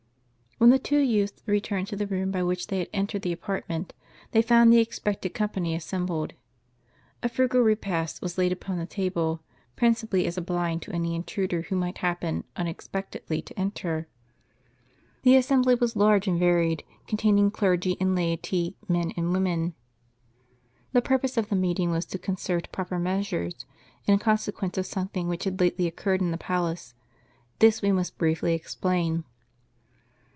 ► HEN the two youths returned to the room by which they had entered the apart ment, they found the expected company assembled. A frugal repast was laid upon the table, principally as a blind to any intruder who might happen unexpect edly to enter. The assembly was large and varied, containing clergy and laity, men and women. The puri30se of the meeting was to con cert proper measures, in consequence of something which had lately occurred in the palace. This we must briefly exj)lain.